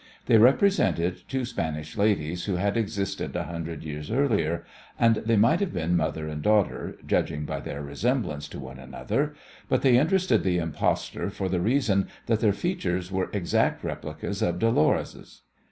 They represented two Spanish ladies who had existed a hundred years earlier, and they might have been mother and daughter, judging by their resemblance to one another, but they interested the impostor for the reason that their features were exact replicas of Dolores'.